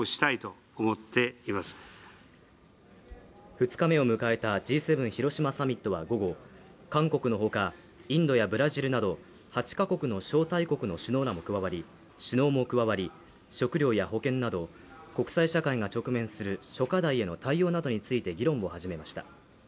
２日目を迎えたＧ７広島サミットは午後、韓国のほか、インドやブラジルなど８か国の招待国の首脳も加わり、食料や保健など国際社会が直面する諸課題への対応などについて議論を始めました。